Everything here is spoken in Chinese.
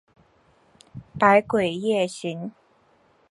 百鬼夜行。